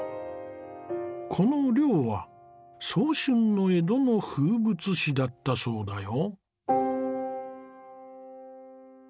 この漁は早春の江戸の風物詩だったそうだよ。